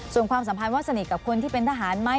ส่วนความสัมพันธ์ว่าสนิทกับคนที่เป็นทหารไหม